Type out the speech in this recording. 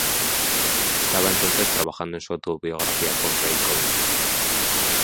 Estaba entonces trabajando en su autobiografía con Ray Coleman.